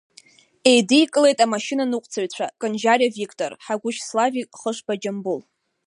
Еидикылеит амашьына ныҟәцаҩцәа Конџьариа Виктор, Ҳагәышь Славик, Хышба Џьамбул.